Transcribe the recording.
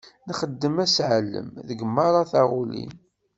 Nxeddem aseɛlem deg merra taɣulin.